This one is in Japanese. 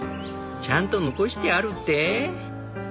ちゃんと残してあるって？